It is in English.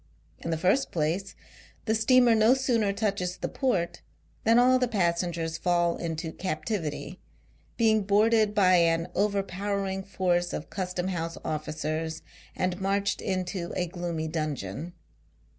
In the first place, the steamer no sooner touches the port, than all the passengers fall into captivity : being boarded by an over powering force of Custom house oificers, and inarched into a gloomy dungeon.